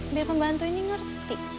biar pembantu ini ngerti